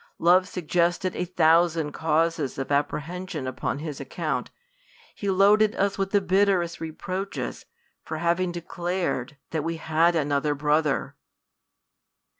Love suggested a thousand causes of apprehension upon his account. He loaded us with the bitterest reproaches for having declared that we had another brother.